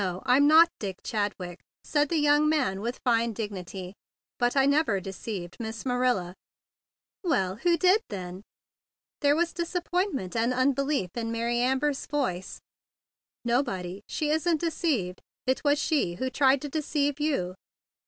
"No, I'm not Dick Chadwick," said the young man with fine dignity. "But I never deceived Miss Marilla." "AVell, who did then?" There were disappointment and unbelief in Mary Amber's voice. "Nobody. She isn't deceived. It was she who tried to deceive you."